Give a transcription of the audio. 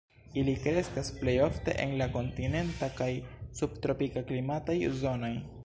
Ili kreskas plej ofte en la kontinenta kaj subtropika klimataj zonoj.